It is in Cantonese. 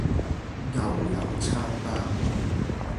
牛油餐包